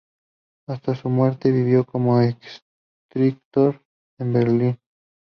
Hasta su muerte vivió como escritor en Berlín.